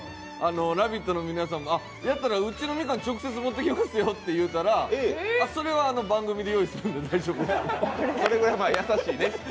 「ラヴィット！」の皆さんにもと言ったら、うちのみかん、直接持ってきますよって言ったらそれは番組で用意するんで大丈夫ですと。